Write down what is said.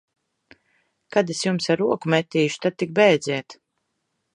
Kad es jums ar roku metīšu, tad tik bēdziet!